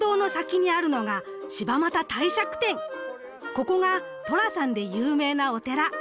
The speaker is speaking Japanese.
ここが寅さんで有名なお寺。